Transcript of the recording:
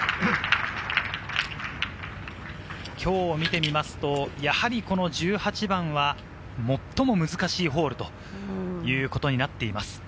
今日を見てみると、やはり１８番は最も難しいホールということになっています。